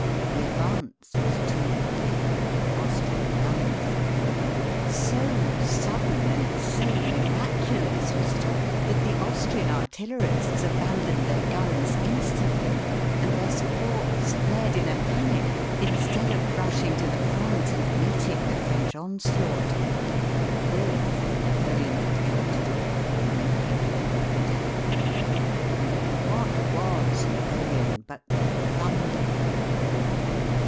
The advance was too quick for the Austrian gunners_. So sudden and so miraculous was it all, that the Austrian artillerists abandoned their guns instantly, and their supports fled in a panic instead of rushing to the front and meeting the French onslaught. This Napoleon had counted on in making the bold attack. What was Napoleon but the thunderbolt of war?